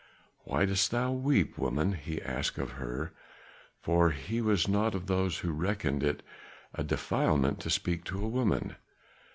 "Why dost thou weep, woman?" he asked of her, for he was not of those who reckoned it a defilement to speak to a woman.